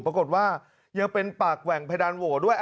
ปรากฏว่ายังเป็นปากแหว่งเพดานโหวด้วย